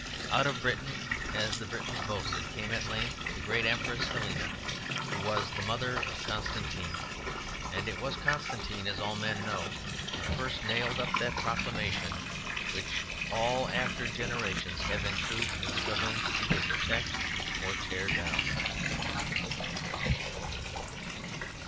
Out of Britain, as the Britons boasted, came at length the great Empress Helena, who was the mother of Constantine. And it was Constantine, as all men know, who first nailed up that proclamation which all after generations have in truth been struggling either to protect or to tear down.